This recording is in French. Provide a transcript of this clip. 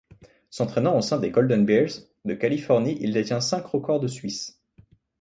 S'entraînant au sein des Golden Bears de Californie, il détient cinq records de Suisse.